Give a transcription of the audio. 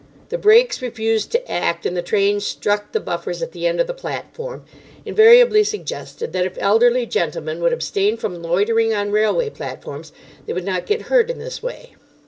"The brakes refused to act, and the train struck the buffers at the end of the platform" invariably suggested that if elderly gentlemen would abstain from loitering on railway platforms, they would not get hurt in this way.